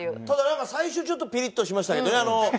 ただなんか最初ちょっとピリッとしましたけどね。